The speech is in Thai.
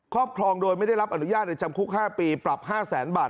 ครอบครองโดยไม่ได้รับอนุญาตในจำคุก๕ปีปรับ๕แสนบาท